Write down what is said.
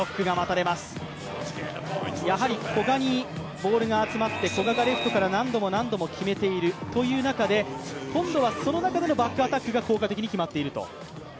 やはり古賀にボールが集まって、古賀がレフトから何度も何度も決めているという中で、今度はその中でのバックアタックが効果的に決まっていると。